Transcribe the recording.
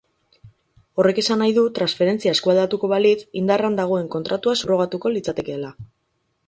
Horrek esan nahi du transferentzia eskualdatuko balitz, indarrean dagoen kontratua subrogatuko litzatekeela.